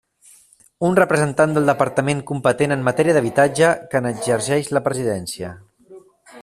Un representant del departament competent en matèria d'habitatge, que n'exerceix la presidència.